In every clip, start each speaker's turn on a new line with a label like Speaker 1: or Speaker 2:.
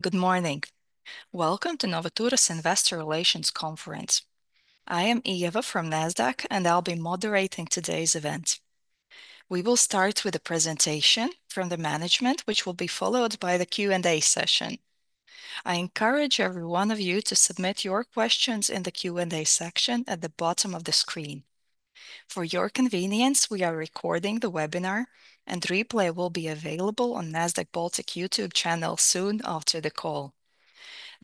Speaker 1: Good morning. Welcome to Novaturas Investor Relations Conference. I am Ieva from Nasdaq, and I'll be moderating today's event. We will start with a presentation from the management, which will be followed by the Q&A session. I encourage every one of you to submit your questions in the Q&A section at the bottom of the screen. For your convenience, we are recording the webinar, and replay will be available on Nasdaq Baltic YouTube channel soon after the call.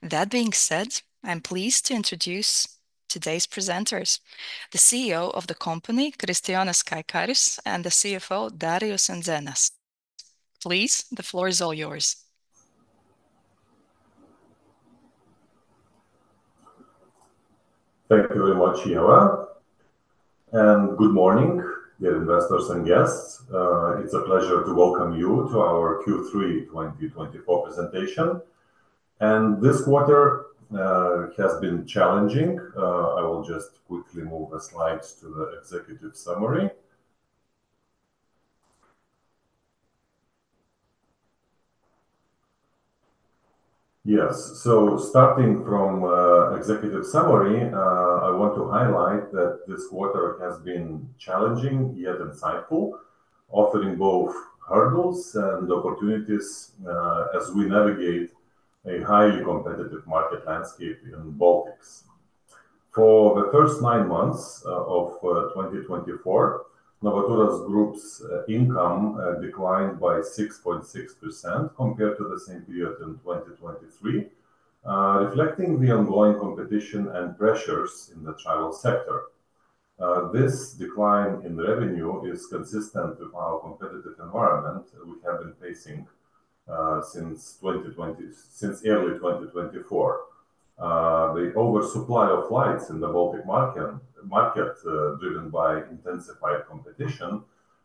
Speaker 1: That being said, I'm pleased to introduce today's presenters: the CEO of the company, Kristijonas Kaikaris, and the CFO, Darius Undzėnas. Please, the floor is all yours.
Speaker 2: Thank you very much, Ieva, and good morning, dear investors and guests. It's a pleasure to welcome you to our Q3 2024 presentation. This quarter has been challenging. I will just quickly move the slides to the executive summary. Yes, so starting from the executive summary, I want to highlight that this quarter has been challenging yet insightful, offering both hurdles and opportunities as we navigate a highly competitive market landscape in the Baltics. For the first nine months of 2024, Novaturas Group's income declined by 6.6% compared to the same period in 2023, reflecting the ongoing competition and pressures in the travel sector. This decline in revenue is consistent with our competitive environment we have been facing since early 2024. The oversupply of flights in the Baltic market, driven by intensified competition,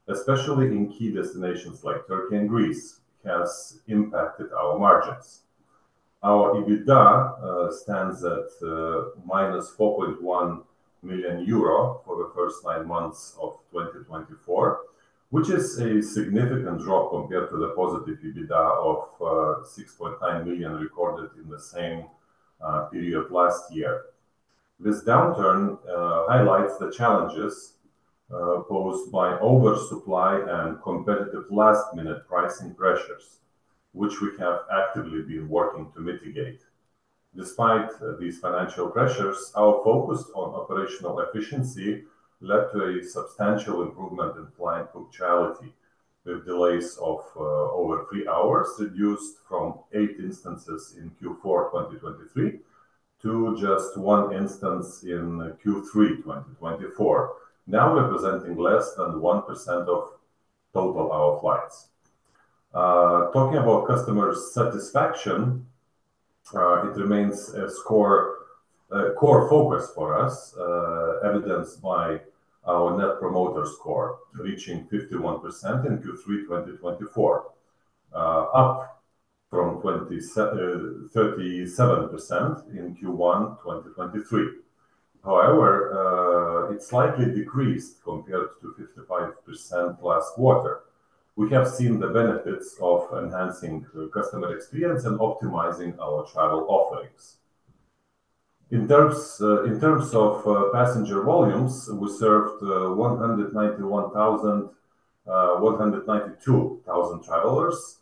Speaker 2: especially in key destinations like Turkey and Greece, has impacted our margins. Our EBITDA stands at minus 4.1 million euro for the first nine months of 2024, which is a significant drop compared to the positive EBITDA of 6.9 million recorded in the same period last year. This downturn highlights the challenges posed by oversupply and competitive last-minute pricing pressures, which we have actively been working to mitigate. Despite these financial pressures, our focus on operational efficiency led to a substantial improvement in client punctuality, with delays of over three hours reduced from eight instances in Q4 2023 to just one instance in Q3 2024, now representing less than 1% of total our flights. Talking about customer satisfaction, it remains a core focus for us, evidenced by our Net Promoter Score reaching 51% in Q3 2024, up from 37% in Q1 2023. However, it slightly decreased compared to 55% last quarter. We have seen the benefits of enhancing customer experience and optimizing our travel offerings. In terms of passenger volumes, we served 192,000 travelers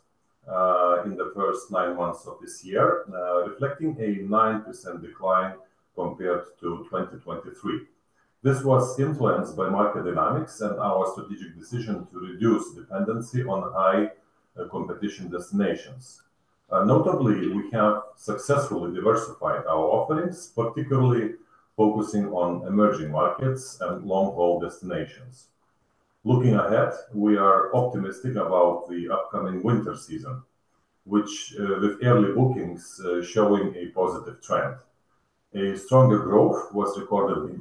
Speaker 2: in the first nine months of this year, reflecting a 9% decline compared to 2023. This was influenced by market dynamics and our strategic decision to reduce dependency on high-competition destinations. Notably, we have successfully diversified our offerings, particularly focusing on emerging markets and long-haul destinations. Looking ahead, we are optimistic about the upcoming winter season, with early bookings showing a positive trend. A stronger growth was recorded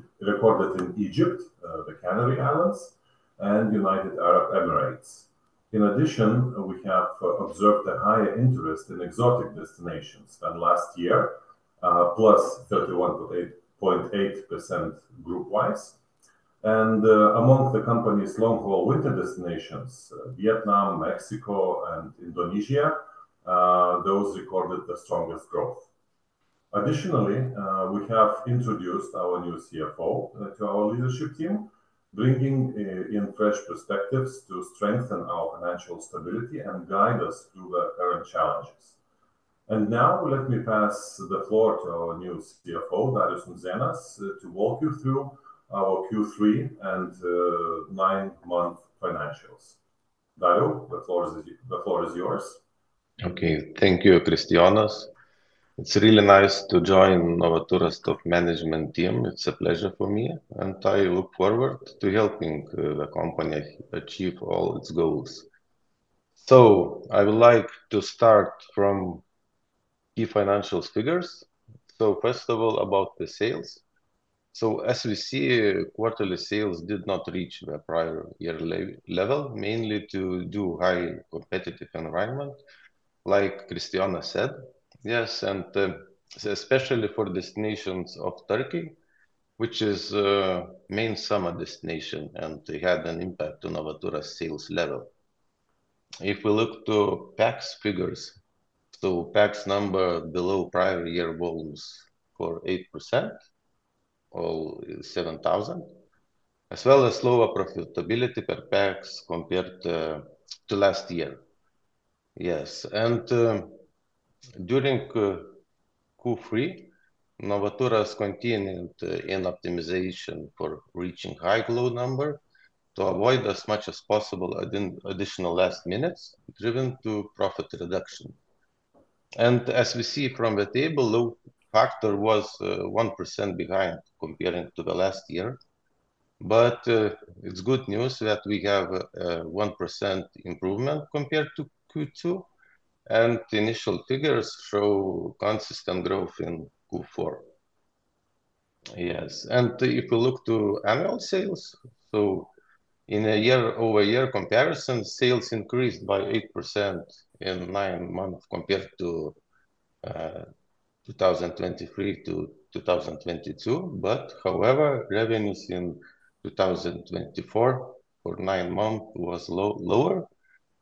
Speaker 2: in Egypt, the Canary Islands, and the United Arab Emirates. In addition, we have observed a higher interest in exotic destinations than last year, plus 31.8% group-wise. And among the company's long-haul winter destinations, Vietnam, Mexico, and Indonesia, those recorded the strongest growth. Additionally, we have introduced our new CFO to our leadership team, bringing in fresh perspectives to strengthen our financial stability and guide us through the current challenges. And now, let me pass the floor to our new CFO, Darius Undzėnas, to walk you through our Q3 and nine-month financials. Darius, the floor is yours.
Speaker 3: Okay. Thank you, Kristijonas. It's really nice to join Novaturas' top management team. It's a pleasure for me, and I look forward to helping the company achieve all its goals. I would like to start from key financial figures. First of all, about the sales. As we see, quarterly sales did not reach their prior year level, mainly to do with the high competitive environment, like Kristijonas said. Yes, and especially for destinations of Turkey, which is the main summer destination, and it had an impact on Novaturas' sales level. If we look to Pax figures, so Pax number below prior year volumes for 8%, or 7,000, as well as lower profitability per Pax compared to last year. Yes. During Q3, Novaturas continued in optimization for reaching high growth number to avoid as much as possible additional last minutes, driven to profit reduction. And as we see from the table, the factor was 1% behind compared to the last year. But it's good news that we have a 1% improvement compared to Q2, and initial figures show consistent growth in Q4. Yes. And if we look to annual sales, so in a year-over-year comparison, sales increased by 8% in nine months compared to 2023 to 2022. But however, revenues in 2024 for nine months were lower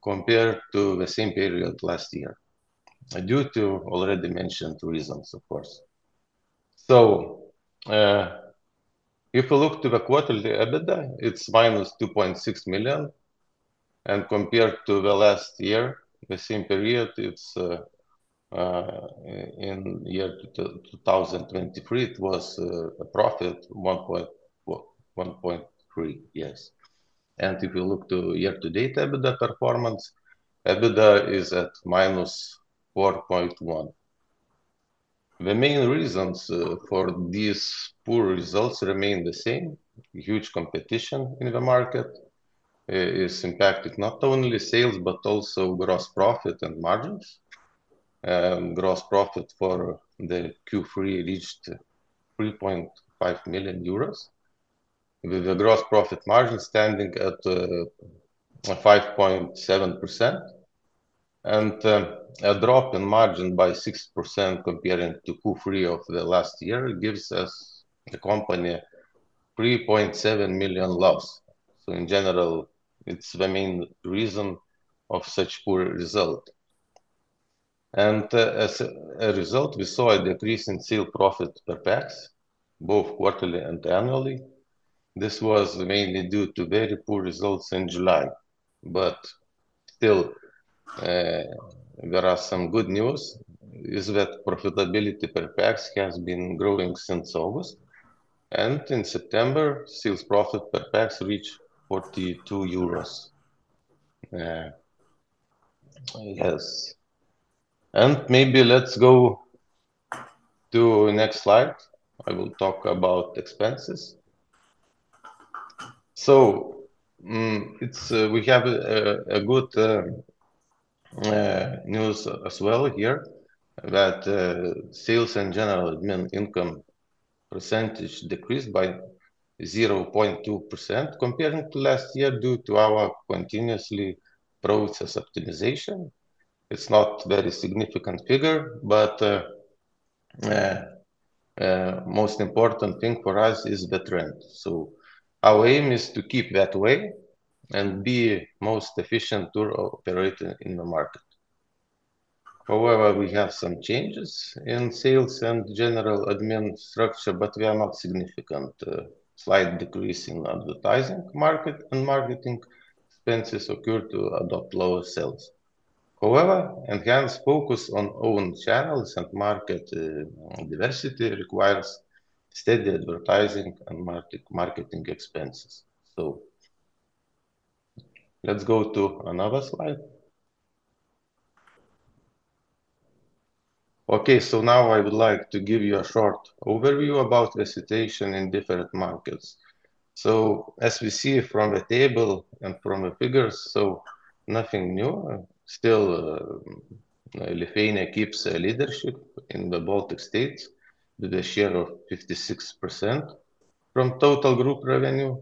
Speaker 3: compared to the same period last year due to already mentioned reasons, of course. So if we look to the quarterly EBITDA, it's -2.6 million. And compared to the last year, the same period, in year 2023, it was a profit of 1.3 million. Yes. And if we look to year-to-date EBITDA performance, EBITDA is at -4.1 million. The main reasons for these poor results remain the same. Huge competition in the market is impacting not only sales, but also gross profit and margins. Gross profit for the Q3 reached 3.5 million euros, with the gross profit margin standing at 5.7%, and a drop in margin by 6% compared to Q3 of the last year gives us the company 3.7 million lost, so in general, it's the main reason for such poor results, and as a result, we saw a decrease in sales profit per Pax, both quarterly and annually. This was mainly due to very poor results in July, but still, there are some good news, is that profitability per Pax has been growing since August, and in September, sales profit per Pax reached EUR 42. Yes, and maybe let's go to the next slide. I will talk about expenses. So we have good news as well here that sales and general admin income percentage decreased by 0.2% compared to last year due to our continuously processed optimization. It's not a very significant figure, but the most important thing for us is the trend. So our aim is to keep that way and be the most efficient operator in the market. However, we have some changes in sales and general admin structure, but they are not significant. A slight decrease in advertising market and marketing expenses occurred to adopt lower sales. However, enhanced focus on own channels and market diversity requires steady advertising and marketing expenses. So let's go to another slide. Okay. So now I would like to give you a short overview about the situation in different markets. So as we see from the table and from the figures, so nothing new. Still, Lithuania keeps a leadership in the Baltic states with a share of 56% from total group revenue,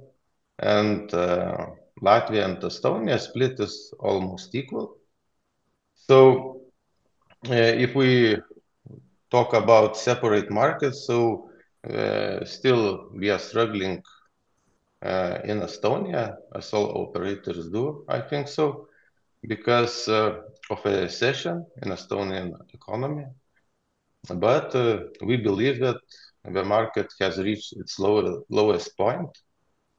Speaker 3: and Latvia and Estonia split almost equally. So if we talk about separate markets, so still we are struggling in Estonia, as all operators do, I think so, because of a recession in the Estonian economy, but we believe that the market has reached its lowest point,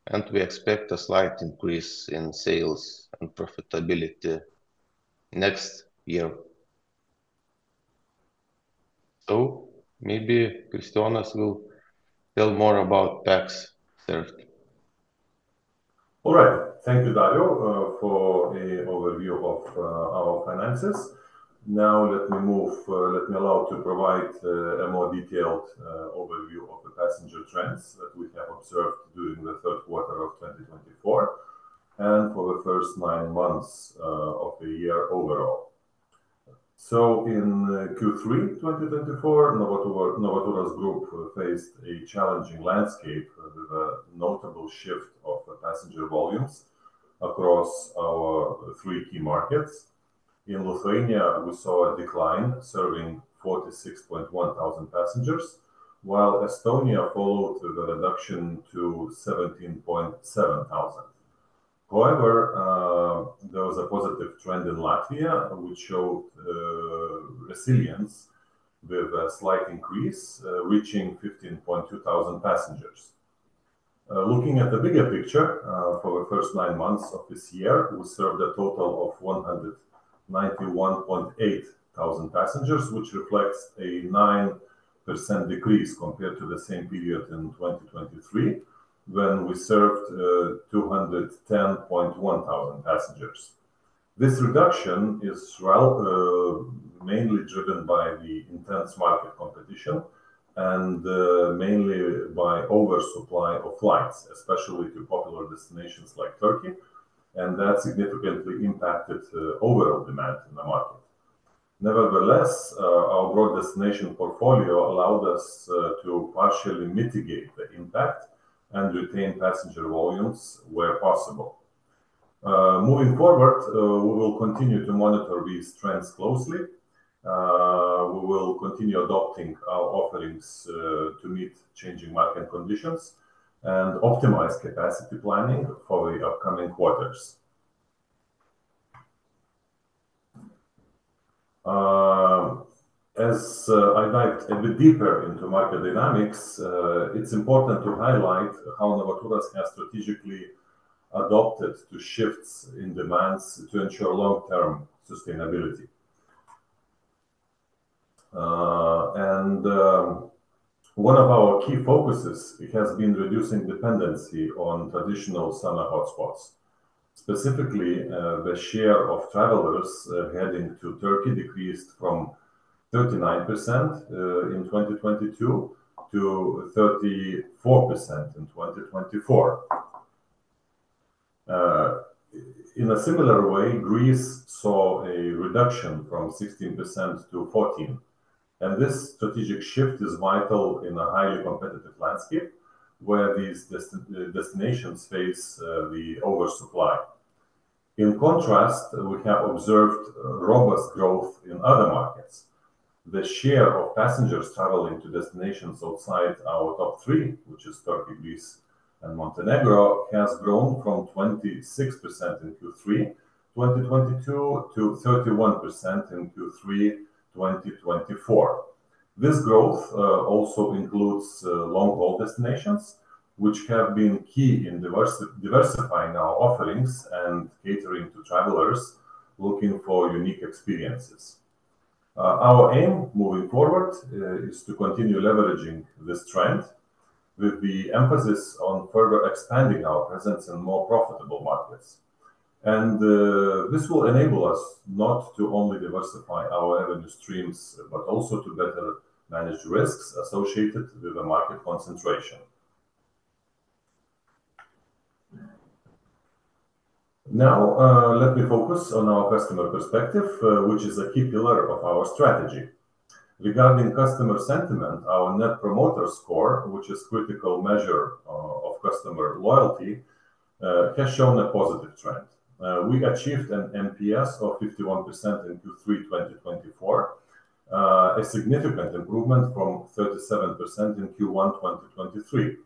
Speaker 3: and we expect a slight increase in sales and profitability next year, so maybe Kristijonas will tell more about Pax third.
Speaker 2: All right. Thank you, Darius, for the overview of our finances. Now let me allow to provide a more detailed overview of the passenger trends that we have observed during the Q3 of 2024 and for the first nine months of the year overall, so in Q3 2024, Novaturas Group faced a challenging landscape with a notable shift of passenger volumes across our three key markets. In Lithuania, we saw a decline serving 46.1,000 passengers, while Estonia followed with a reduction to 17.7,000. However, there was a positive trend in Latvia, which showed resilience with a slight increase reaching 15.2,000 passengers. Looking at the bigger picture for the first nine months of this year, we served a total of 191.8,000 passengers, which reflects a 9% decrease compared to the same period in 2023 when we served 210.1,000 passengers. This reduction is mainly driven by the intense market competition and mainly by oversupply of flights, especially to popular destinations like Turkey, and that significantly impacted overall demand in the market. Nevertheless, our broad destination portfolio allowed us to partially mitigate the impact and retain passenger volumes where possible. Moving forward, we will continue to monitor these trends closely. We will continue adopting our offerings to meet changing market conditions and optimize capacity planning for the upcoming quarters. As I dive a bit deeper into market dynamics, it's important to highlight how Novaturas has strategically adopted shifts in demands to ensure long-term sustainability, and one of our key focuses has been reducing dependency on traditional summer hotspots. Specifically, the share of travelers heading to Turkey decreased from 39% in 2022 to 34% in 2024. In a similar way, Greece saw a reduction from 16% to 14%. This strategic shift is vital in a highly competitive landscape where these destinations face the oversupply. In contrast, we have observed robust growth in other markets. The share of passengers traveling to destinations outside our top three, which is Turkey, Greece, and Montenegro, has grown from 26% in Q3 2022 to 31% in Q3 2024. This growth also includes long-haul destinations, which have been key in diversifying our offerings and catering to travelers looking for unique experiences. Our aim moving forward is to continue leveraging this trend with the emphasis on further expanding our presence in more profitable markets. This will enable us not to only diversify our revenue streams, but also to better manage risks associated with the market concentration. Now, let me focus on our customer perspective, which is a key pillar of our strategy. Regarding customer sentiment, our net promoter score, which is a critical measure of customer loyalty, has shown a positive trend. We achieved an NPS of 51% in Q3 2024, a significant improvement from 37% in Q1 2023,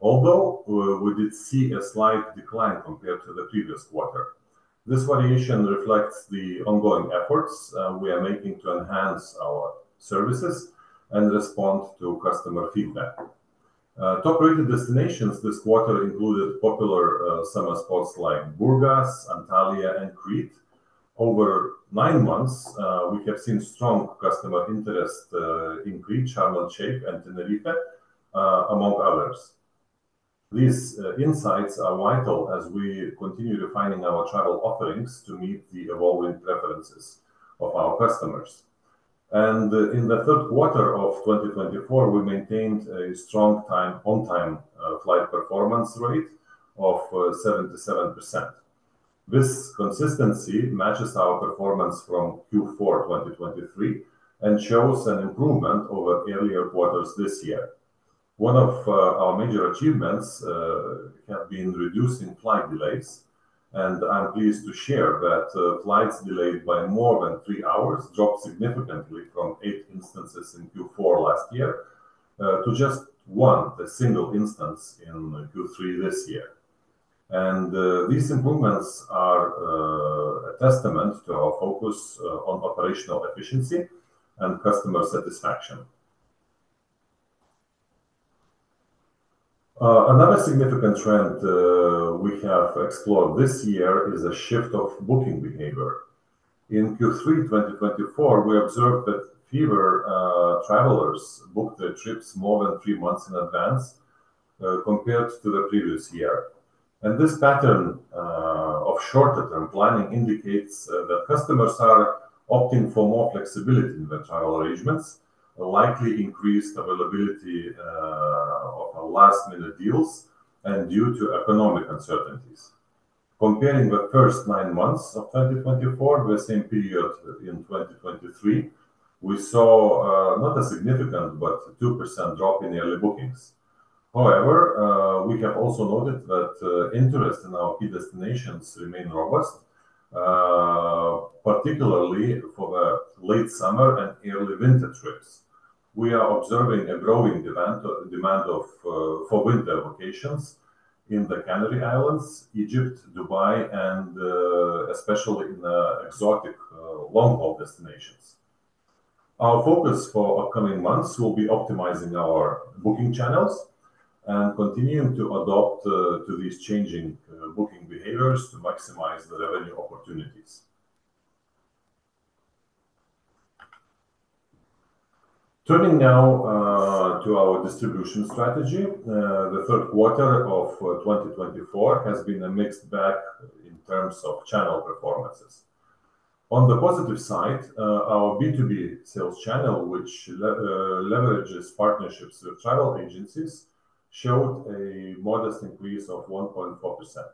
Speaker 2: although we did see a slight decline compared to the previous quarter. This variation reflects the ongoing efforts we are making to enhance our services and respond to customer feedback. Top-rated destinations this quarter included popular summer spots like Burgas, Antalya, and Crete. Over nine months, we have seen strong customer interest in Crete, Sharm el-Sheikh, and Tenerife, among others. These insights are vital as we continue refining our travel offerings to meet the evolving preferences of our customers. In the Q3 of 2024, we maintained a strong on-time flight performance rate of 77%. This consistency matches our performance from Q4 2023 and shows an improvement over earlier quarters this year. One of our major achievements has been reducing flight delays. And I'm pleased to share that flights delayed by more than three hours dropped significantly from eight instances in Q4 last year to just one single instance in Q3 this year. And these improvements are a testament to our focus on operational efficiency and customer satisfaction. Another significant trend we have explored this year is a shift of booking behavior. In Q3 2024, we observed that fewer travelers booked their trips more than three months in advance compared to the previous year. And this pattern of shorter-term planning indicates that customers are opting for more flexibility in their travel arrangements, likely increased availability of last-minute deals, and due to economic uncertainties. Comparing the first nine months of 2024 with the same period in 2023, we saw not a significant, but a 2% drop in early bookings. However, we have also noted that interest in our key destinations remained robust, particularly for the late summer and early winter trips. We are observing a growing demand for winter vacations in the Canary Islands, Egypt, Dubai, and especially in exotic long-haul destinations. Our focus for upcoming months will be optimizing our booking channels and continuing to adapt to these changing booking behaviors to maximize the revenue opportunities. Turning now to our distribution strategy, the Q3 of 2024 has been a mixed bag in terms of channel performances. On the positive side, our B2B sales channel, which leverages partnerships with travel agencies, showed a modest increase of 1.4%.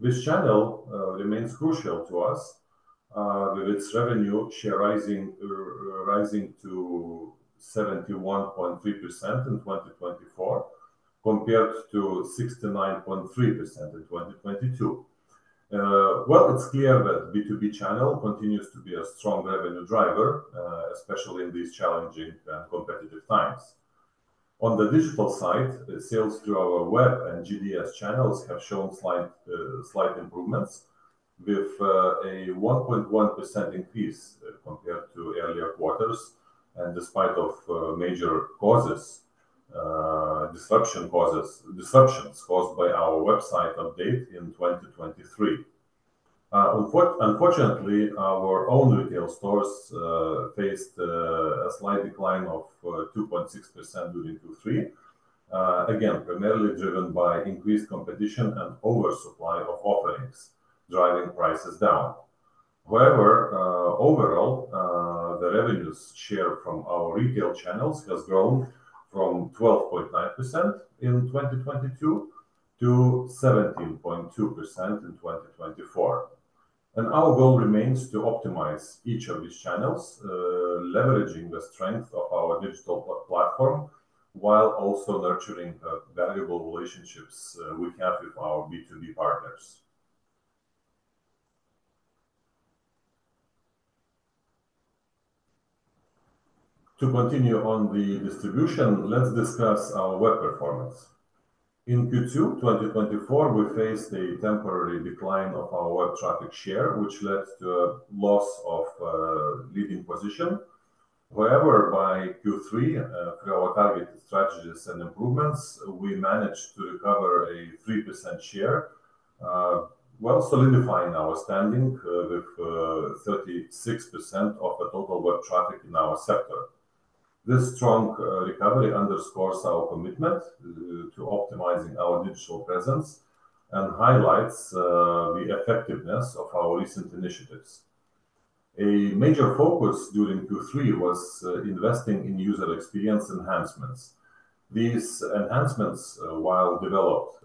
Speaker 2: This channel remains crucial to us, with its revenue share rising to 71.3% in 2024 compared to 69.3% in 2022. Well, it's clear that the B2B channel continues to be a strong revenue driver, especially in these challenging and competitive times. On the digital side, sales through our web and GDS channels have shown slight improvements, with a 1.1% increase compared to earlier quarters, and despite major disruptions caused by our website update in 2023. Unfortunately, our own retail stores faced a slight decline of 2.6% during Q3, again, primarily driven by increased competition and oversupply of offerings, driving prices down. However, overall, the revenue share from our retail channels has grown from 12.9% in 2022 to 17.2% in 2024. And our goal remains to optimize each of these channels, leveraging the strength of our digital platform while also nurturing the valuable relationships we have with our B2B partners. To continue on the distribution, let's discuss our web performance. In Q2 2024, we faced a temporary decline of our web traffic share, which led to a loss of leading position. However, by Q3, through our targeted strategies and improvements, we managed to recover a 3% share, while solidifying our standing with 36% of the total web traffic in our sector. This strong recovery underscores our commitment to optimizing our digital presence and highlights the effectiveness of our recent initiatives. A major focus during Q3 was investing in user experience enhancements. These enhancements, while developed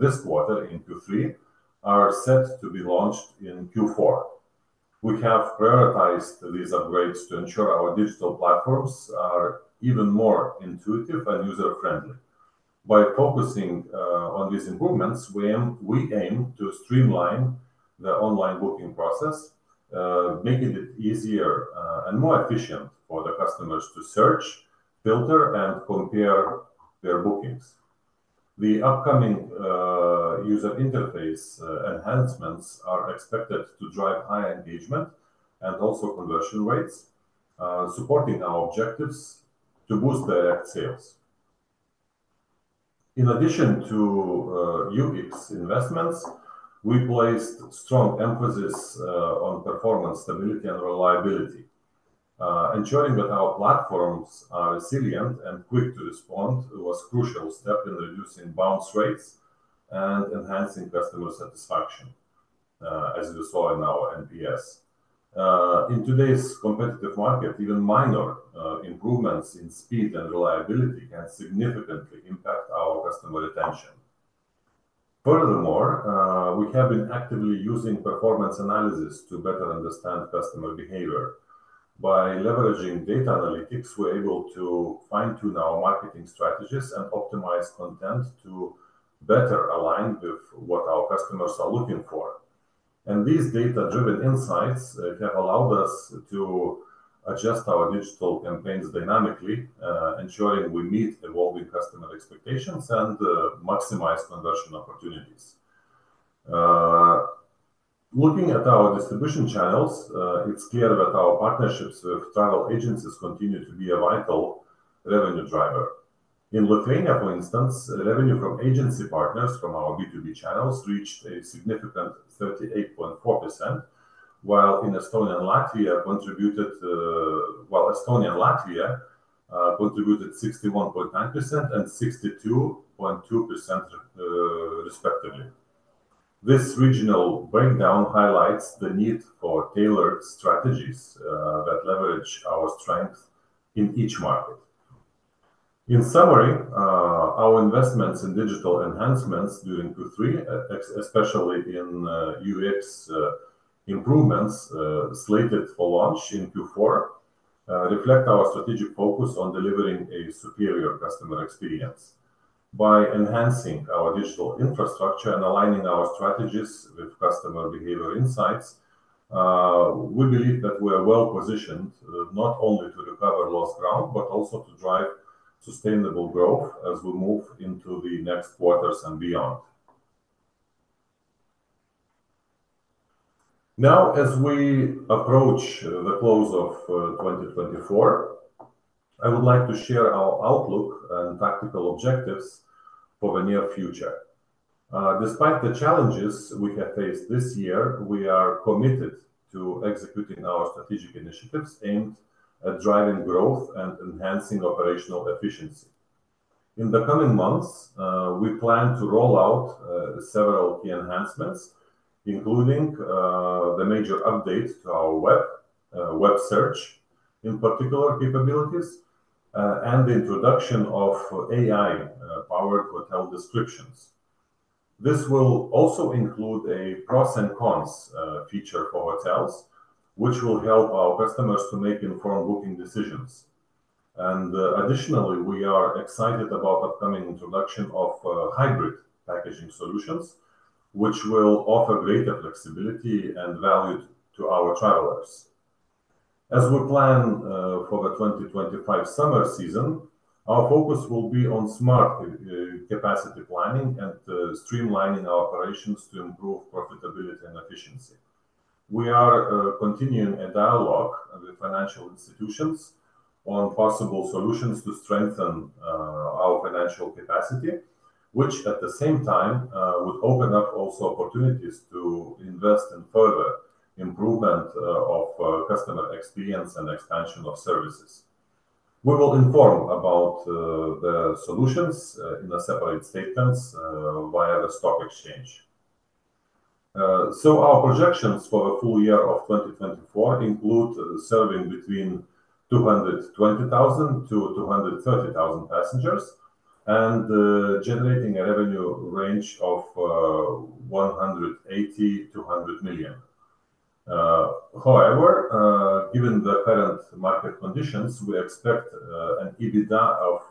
Speaker 2: this quarter in Q3, are set to be launched in Q4. We have prioritized these upgrades to ensure our digital platforms are even more intuitive and user-friendly. By focusing on these improvements, we aim to streamline the online booking process, making it easier and more efficient for the customers to search, filter, and compare their bookings. The upcoming user interface enhancements are expected to drive high engagement and also conversion rates, supporting our objectives to boost direct sales. In addition to UX investments, we placed strong emphasis on performance stability and reliability. Ensuring that our platforms are resilient and quick to respond was a crucial step in reducing bounce rates and enhancing customer satisfaction, as we saw in our NPS. In today's competitive market, even minor improvements in speed and reliability can significantly impact our customer retention. Furthermore, we have been actively using performance analysis to better understand customer behavior. By leveraging data analytics, we're able to fine-tune our marketing strategies and optimize content to better align with what our customers are looking for, and these data-driven insights have allowed us to adjust our digital campaigns dynamically, ensuring we meet evolving customer expectations and maximize conversion opportunities. Looking at our distribution channels, it's clear that our partnerships with travel agencies continue to be a vital revenue driver. In Lithuania, for instance, revenue from agency partners from our B2B channels reached a significant 38.4%, while Estonia and Latvia contributed 61.9% and 62.2%, respectively. This regional breakdown highlights the need for tailored strategies that leverage our strength in each market. In summary, our investments in digital enhancements during Q3, especially in UX improvements slated for launch in Q4, reflect our strategic focus on delivering a superior customer experience. By enhancing our digital infrastructure and aligning our strategies with customer behavior insights, we believe that we are well positioned not only to recover lost ground, but also to drive sustainable growth as we move into the next quarters and beyond. Now, as we approach the close of 2024, I would like to share our outlook and tactical objectives for the near future. Despite the challenges we have faced this year, we are committed to executing our strategic initiatives aimed at driving growth and enhancing operational efficiency. In the coming months, we plan to roll out several key enhancements, including the major update to our web search in particular capabilities and the introduction of AI-powered hotel descriptions. This will also include a pros and cons feature for hotels, which will help our customers to make informed booking decisions. Additionally, we are excited about the upcoming introduction of hybrid packaging solutions, which will offer greater flexibility and value to our travelers. As we plan for the 2025 summer season, our focus will be on smart capacity planning and streamlining our operations to improve profitability and efficiency. We are continuing a dialogue with financial institutions on possible solutions to strengthen our financial capacity, which at the same time would open up also opportunities to invest in further improvement of customer experience and expansion of services. We will inform about the solutions in separate statements via the stock exchange, so our projections for the full year of 2024 include serving between 220,000-230,000 passengers and generating a revenue range of 180-100 million EUR. However, given the current market conditions, we expect an EBITDA of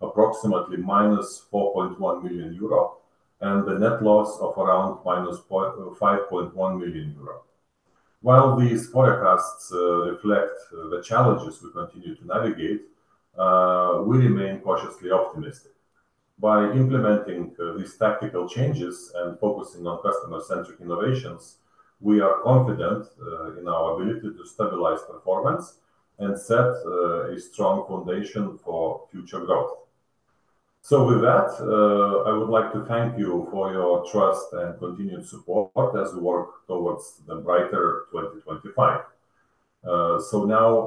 Speaker 2: approximately minus 4.1 million euro and the net loss of around minus 5.1 million euro. While these forecasts reflect the challenges we continue to navigate, we remain cautiously optimistic. By implementing these tactical changes and focusing on customer-centric innovations, we are confident in our ability to stabilize performance and set a strong foundation for future growth. So with that, I would like to thank you for your trust and continued support as we work towards the brighter 2025. So now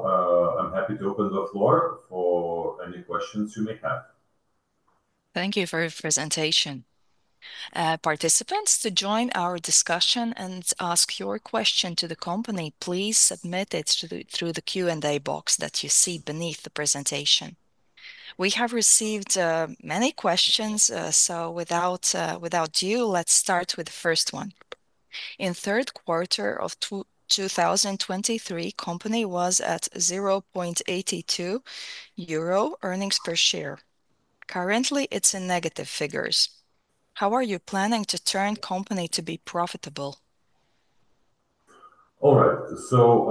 Speaker 2: I'm happy to open the floor for any questions you may have.
Speaker 1: Thank you for your presentation. Participants, to join our discussion and ask your question to the company, please submit it through the Q&A box that you see beneath the presentation. We have received many questions, so without you, let's start with the first one. In Q3 of 2023, the company was at 0.82 euro earnings per share. Currently, it's in negative figures. How are you planning to turn the company to be profitable?
Speaker 2: All right. So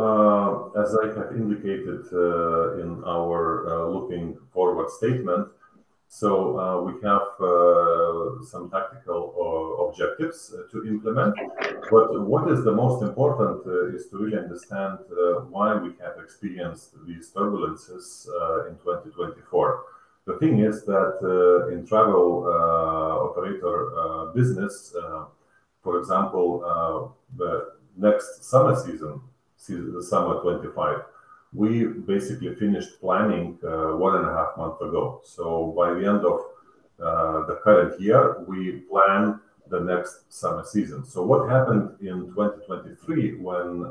Speaker 2: as I have indicated in our looking forward statement, we have some tactical objectives to implement. But what is the most important is to really understand why we have experienced these turbulences in 2024. The thing is that in travel operator business, for example, the next summer season, summer 25, we basically finished planning one and a half months ago. So by the end of the current year, we plan the next summer season. So what happened in 2023 when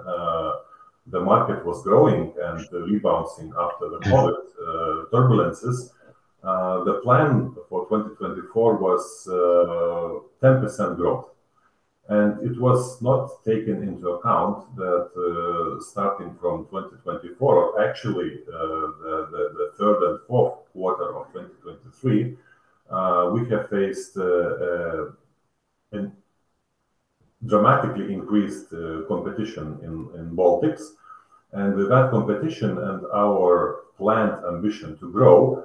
Speaker 2: the market was growing and rebounding after the COVID turbulences? The plan for 2024 was 10% growth. And it was not taken into account that starting from 2024, actually the third and Q4 of 2023, we have faced a dramatically increased competition in Baltics. And with that competition and our planned ambition to grow,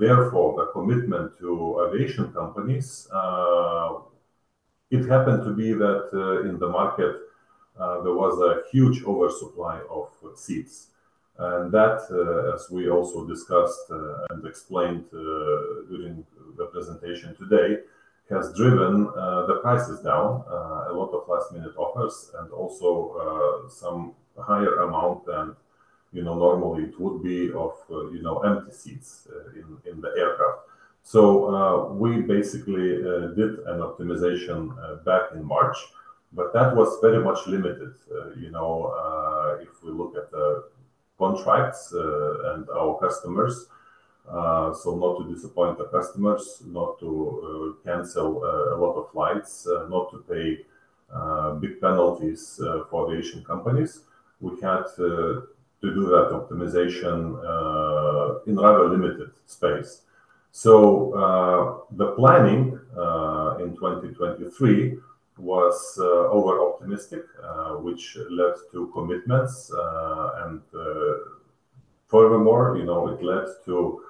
Speaker 2: therefore the commitment to aviation companies, it happened to be that in the market, there was a huge oversupply of seats. And that, as we also discussed and explained during the presentation today, has driven the prices down, a lot of last-minute offers, and also some higher amount than normally it would be of empty seats in the aircraft. So we basically did an optimization back in March, but that was very much limited. If we look at the contracts and our customers, so not to disappoint the customers, not to cancel a lot of flights, not to pay big penalties for aviation companies, we had to do that optimization in rather limited space. So the planning in 2023 was over-optimistic, which led to commitments. And furthermore, it led to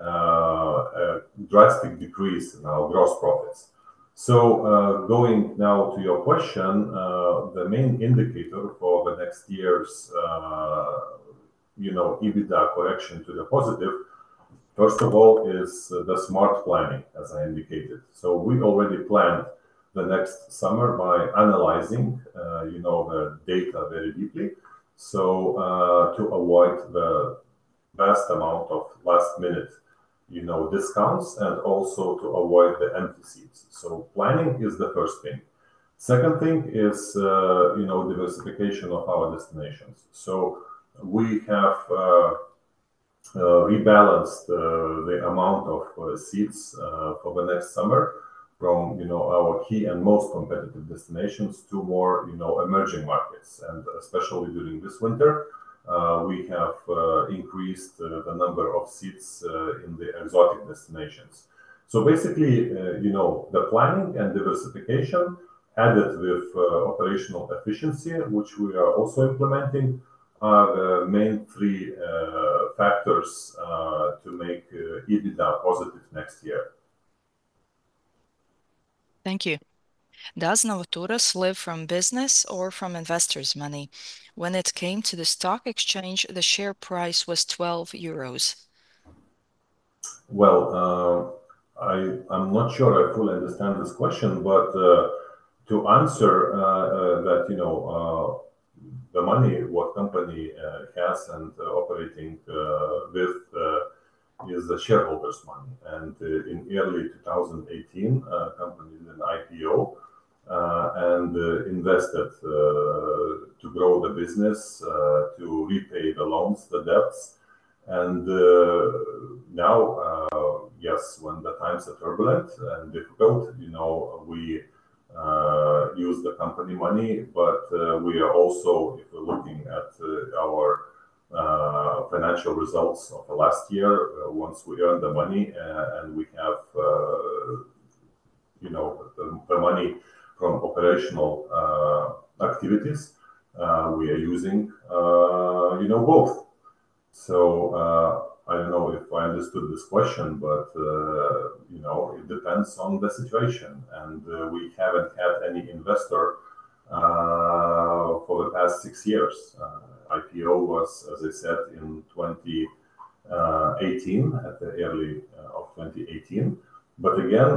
Speaker 2: a drastic decrease in our gross profits. So going now to your question, the main indicator for the next year's EBITDA correction to the positive, first of all, is the smart planning, as I indicated. We already planned the next summer by analyzing the data very deeply to avoid the vast amount of last-minute discounts and also to avoid the empty seats. Planning is the first thing. Second thing is diversification of our destinations. We have rebalanced the amount of seats for the next summer from our key and most competitive destinations to more emerging markets. And especially during this winter, we have increased the number of seats in the exotic destinations. Basically, the planning and diversification added with operational efficiency, which we are also implementing, are the main three factors to make EBITDA positive next year.
Speaker 1: Thank you. Does Novaturas live from business or from investors' money? When it came to the stock exchange, the share price was 12 EUR.
Speaker 2: I'm not sure I fully understand this question, but to answer that, the money that the company has and is operating with is the shareholders' money. In early 2018, a company did an IPO and invested to grow the business, to repay the loans, the debts. Now, yes, when the times are turbulent and difficult, we use the company money, but we are also, if we're looking at our financial results of last year, once we earn the money and we have the money from operational activities, we are using both. I don't know if I understood this question, but it depends on the situation. We haven't had any investor for the past six years. The IPO was, as I said, in 2018, in early 2018. But again,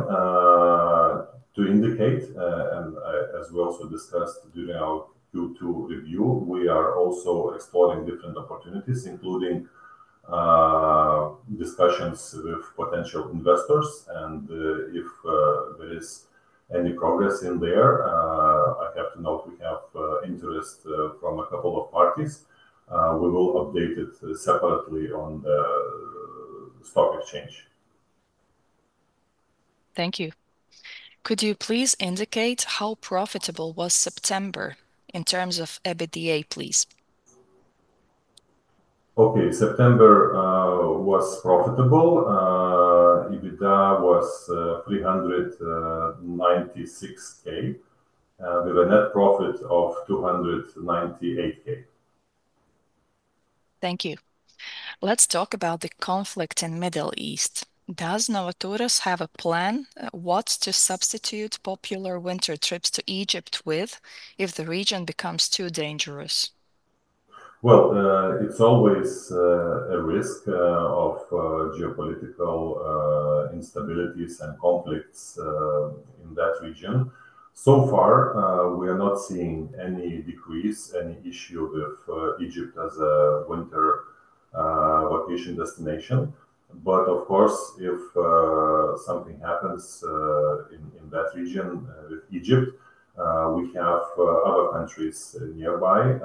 Speaker 2: to indicate, and as we also discussed during our Q2 review, we are also exploring different opportunities, including discussions with potential investors. And if there is any progress in there, I have to note we have interest from a couple of parties. We will update it separately on the stock exchange.
Speaker 1: Thank you. Could you please indicate how profitable was September in terms of EBITDA, please?
Speaker 2: Okay. September was profitable. EBITDA was 396,000 with a net profit of 298,000. Thank you. Let's talk about the conflict in the Middle East. Does Novaturas have a plan what to substitute popular winter trips to Egypt with if the region becomes too dangerous? Well, it's always a risk of geopolitical instabilities and conflicts in that region. So far, we are not seeing any decrease, any issue with Egypt as a winter vacation destination. But of course, if something happens in that region with Egypt, we have other countries nearby,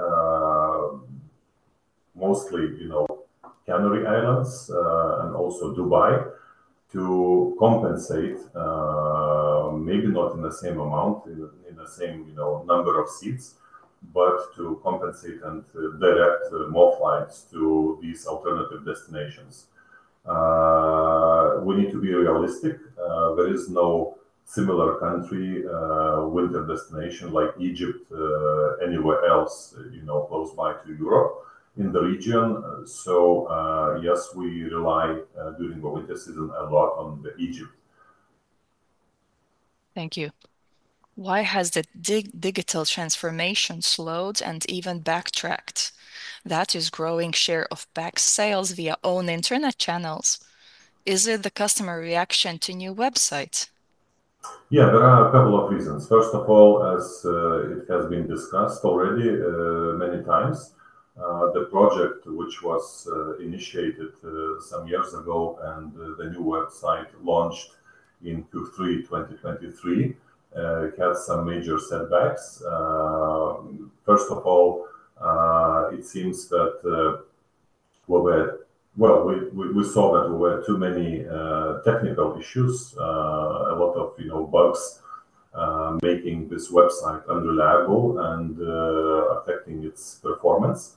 Speaker 2: mostly Canary Islands and also Dubai, to compensate, maybe not in the same amount, in the same number of seats, but to compensate and direct more flights to these alternative destinations. We need to be realistic. There is no similar country winter destination like Egypt anywhere else close by to Europe in the region. So yes, we rely during the winter season a lot on Egypt.
Speaker 1: Thank you. Why has the digital transformation slowed and even backtracked? That is, growing share of B2B sales via own internet channels. Is it the customer reaction to new websites?
Speaker 2: Yeah, there are a couple of reasons. First of all, as it has been discussed already many times, the project, which was initiated some years ago and the new website launched in Q3 2023, it had some major setbacks. First of all, it seems that we were, well, we saw that there were too many technical issues, a lot of bugs making this website unreliable and affecting its performance.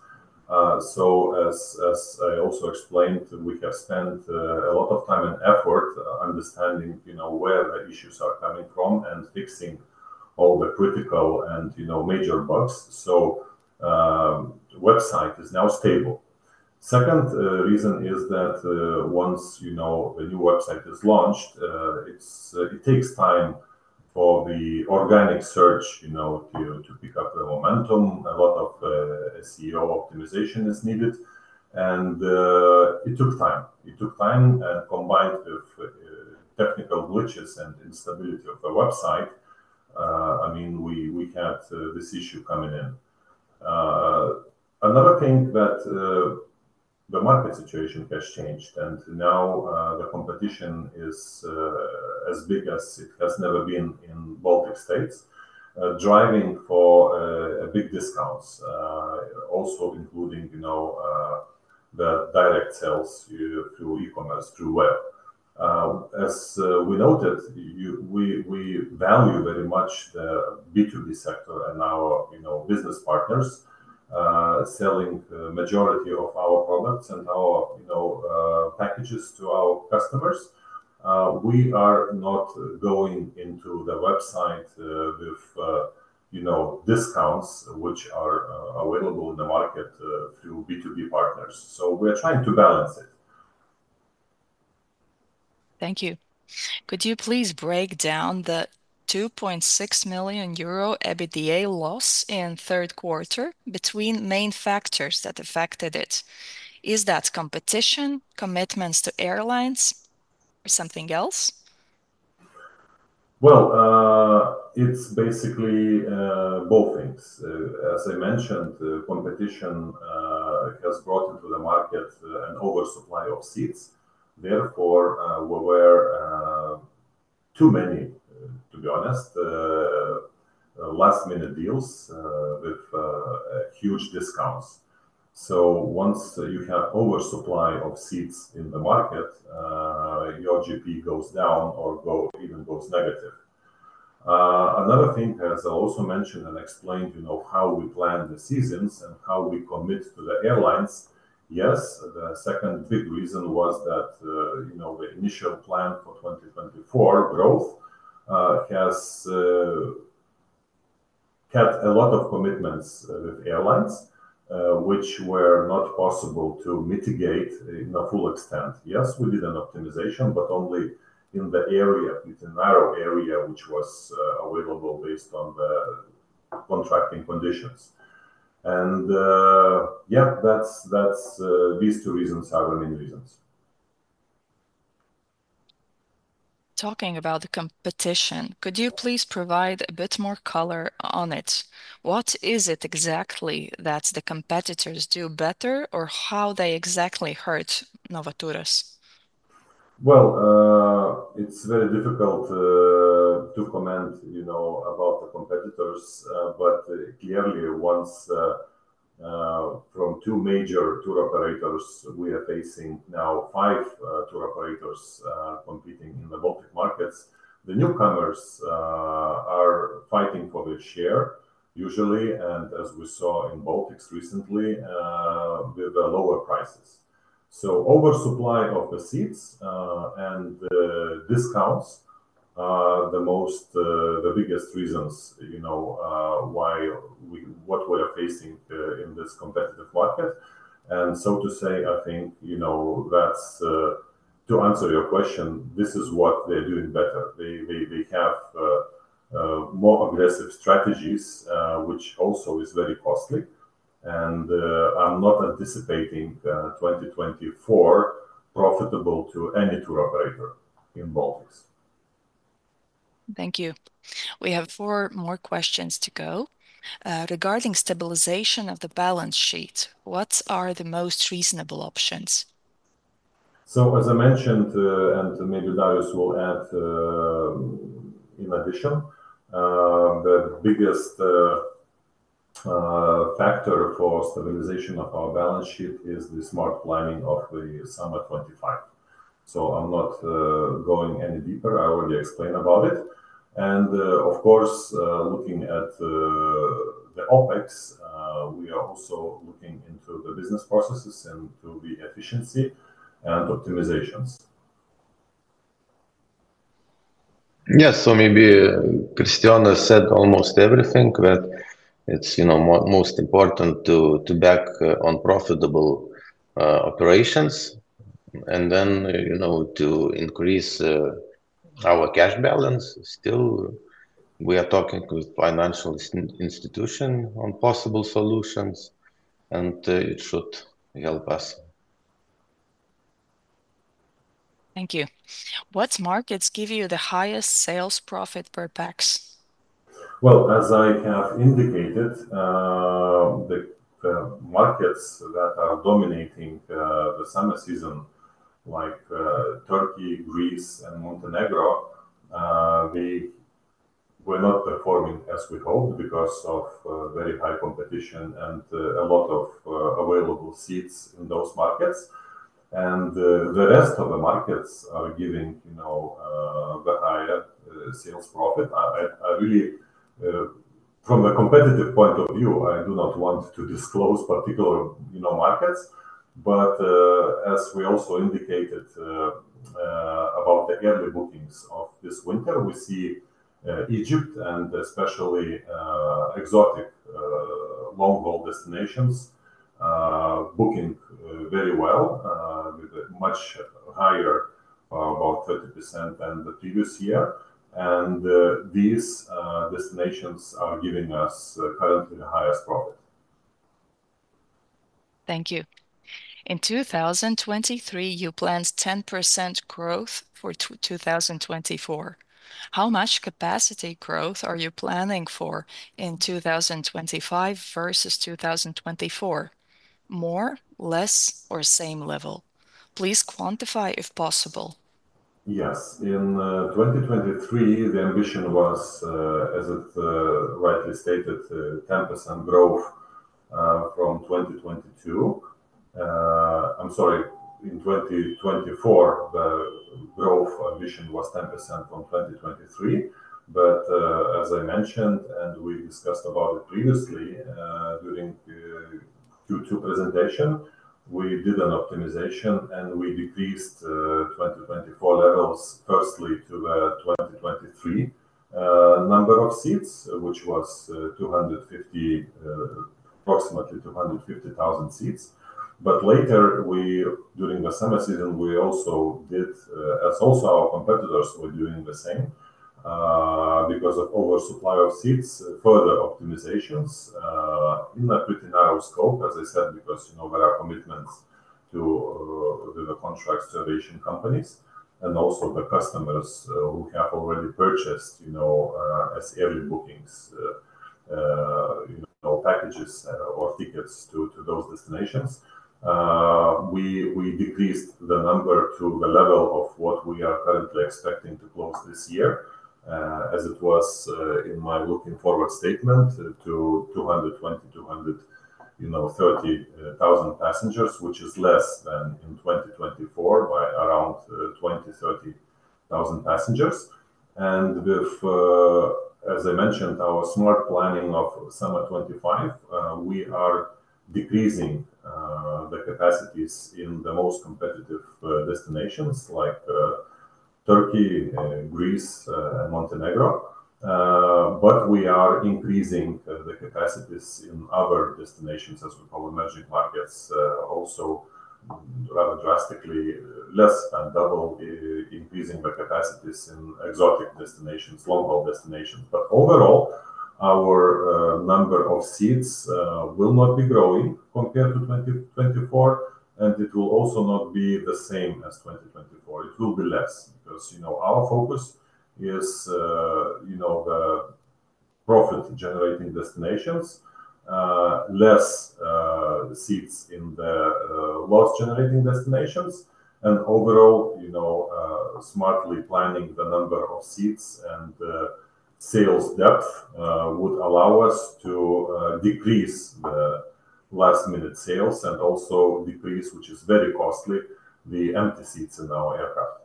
Speaker 2: So as I also explained, we have spent a lot of time and effort understanding where the issues are coming from and fixing all the critical and major bugs. So the website is now stable. Second reason is that once the new website is launched, it takes time for the organic search to pick up the momentum. A lot of SEO optimization is needed. It took time. It took time. Combined with technical glitches and instability of the website, I mean, we had this issue coming in. Another thing that the market situation has changed, and now the competition is as big as it has never been in Baltic states, driving for big discounts, also including the direct sales through e-commerce, through web. As we noted, we value very much the B2B sector and our business partners selling the majority of our products and our packages to our customers. We are not going into the website with discounts which are available in the market through B2B partners, so we are trying to balance it.
Speaker 1: Thank you. Could you please break down the 2.6 million euro EBITDA loss in Q3 between main factors that affected it? Is that competition, commitments to airlines, or something else?
Speaker 2: Well, it's basically both things. As I mentioned, competition has brought into the market an oversupply of seats. Therefore, there were too many, to be honest, last-minute deals with huge discounts. So once you have oversupply of seats in the market, your GP goes down or even goes negative. Another thing is I'll also mention and explain how we plan the seasons and how we commit to the airlines. Yes, the second big reason was that the initial plan for 2024 growth has had a lot of commitments with airlines, which were not possible to mitigate in a full extent. Yes, we did an optimization, but only in the area, in the narrow area, which was available based on the contracting conditions. And yeah, these two reasons are the main reasons.
Speaker 1: Talking about the competition, could you please provide a bit more color on it? What is it exactly that the competitors do better or how they exactly hurt Novaturas?
Speaker 2: Well, it's very difficult to comment about the competitors. But clearly, once from two major tour operators, we are facing now five tour operators competing in the Baltic markets. The newcomers are fighting for their share usually, and as we saw in Baltics recently with the lower prices. So oversupply of the seats and discounts are the biggest reasons why what we are facing in this competitive market. And so to say, I think that's to answer your question, this is what they're doing better. They have more aggressive strategies, which also is very costly. And I'm not anticipating 2024 profitable to any tour operator in Baltics.
Speaker 1: Thank you. We have four more questions to go. Regarding stabilization of the balance sheet, what are the most reasonable options?
Speaker 2: So as I mentioned, and maybe Darius will add in addition, the biggest factor for stabilization of our balance sheet is the smart planning of the summer 2025. So, I'm not going any deeper. I already explained about it. And of course, looking at the OPEX, we are also looking into the business processes and to the efficiency and optimizations. Yes, so maybe Cristiano said almost everything that it's most important to back on profitable operations and then to increase our cash balance. Still, we are talking with financial institutions on possible solutions, and it should help us.
Speaker 1: Thank you. What markets give you the highest sales profit per Pax?
Speaker 2: Well, as I have indicated, the markets that are dominating the summer season, like Turkey, Greece, and Montenegro, they were not performing as we hoped because of very high competition and a lot of available seats in those markets. And the rest of the markets are giving the higher sales profit. I really, from a competitive point of view, I do not want to disclose particular markets. But as we also indicated about the early bookings of this winter, we see Egypt and especially exotic long-haul destinations booking very well with a much higher, about 30%, than the previous year. And these destinations are giving us currently the highest profit.
Speaker 1: Thank you. In 2023, you planned 10% growth for 2024. How much capacity growth are you planning for in 2025 versus 2024? More, less, or same level? Please quantify if possible.
Speaker 2: Yes. In 2023, the ambition was, as it rightly stated, 10% growth from 2022. I'm sorry, in 2024, the growth ambition was 10% from 2023. But as I mentioned, and we discussed about it previously during Q2 presentation, we did an optimization, and we decreased 2024 levels firstly to the 2023 number of seats, which was approximately 250,000 seats. But later, during the summer season, we also did, as also our competitors were doing the same because of oversupply of seats, further optimizations in a pretty narrow scope, as I said, because there are commitments to the contracts to aviation companies and also the customers who have already purchased as early bookings packages or tickets to those destinations. We decreased the number to the level of what we are currently expecting to close this year, as it was in my looking forward statement to 220,000-230,000 passengers, which is less than in 2024 by around 20,000-30,000 passengers. And as I mentioned, our smart planning of summer 2025, we are decreasing the capacities in the most competitive destinations like Turkey, Greece, and Montenegro. But we are increasing the capacities in other destinations as well as emerging markets also rather drastically less than double increasing the capacities in exotic destinations, long-haul destinations. But overall, our number of seats will not be growing compared to 2024, and it will also not be the same as 2024. It will be less because our focus is the profit-generating destinations, less seats in the loss-generating destinations. And overall, smartly planning the number of seats and sales depth would allow us to decrease the last-minute sales and also decrease, which is very costly, the empty seats in our aircraft.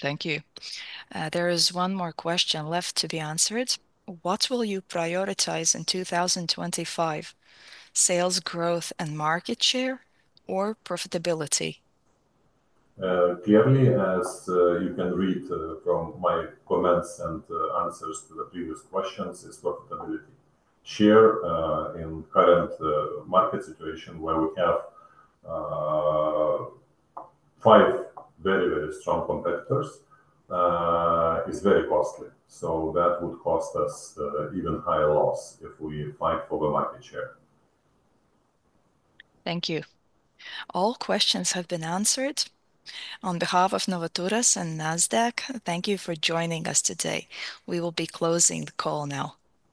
Speaker 1: Thank you. There is one more question left to be answered. What will you prioritize in 2025? Sales growth and market share or profitability?
Speaker 2: Clearly, as you can read from my comments and answers to the previous questions, it's profitability. Share in current market situation where we have five very, very strong competitors is very costly. So that would cost us even higher loss if we fight for the market share.
Speaker 1: Thank you. All questions have been answered. On behalf of Novaturas and Nasdaq, thank you for joining us today. We will be closing the call now.